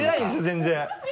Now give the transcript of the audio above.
全然。